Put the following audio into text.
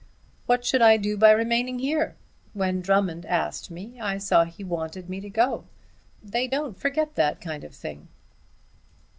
"What should I do by remaining here? When Drummond asked me I saw he wanted me to go. They don't forget that kind of thing."